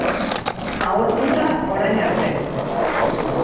Agortuta, orain arte.